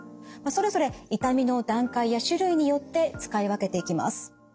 それぞれ痛みの段階や種類によって使い分けていきます。